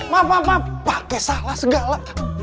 ma ma ma pakai salah segala